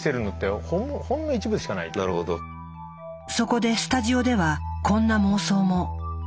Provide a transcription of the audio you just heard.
そこでスタジオではこんな妄想も。